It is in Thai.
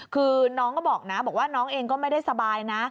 คือน้องก็บอกนะบอกว่าน้องเองก็ไม่ได้สบายนะ